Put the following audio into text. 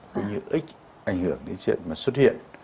cũng như ít ảnh hưởng đến chuyện mà xuất hiện